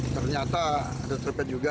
ternyata ada tripet juga